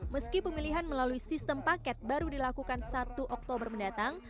meski pemilihan melalui sistem paket baru dilakukan satu oktober mendatang